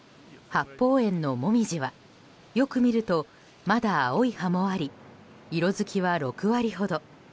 八芳園のモミジはよく見るとまだ青い葉もあり色づきは６割ほど。